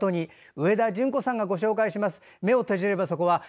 上田淳子さんがご紹介します。